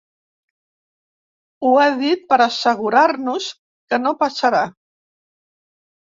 Ho ha dit per assegurar-nos que no passarà.